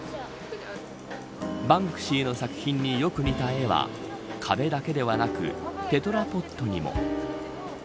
バンクシーの作品によく似た絵は壁だけではなくテトラポットにも。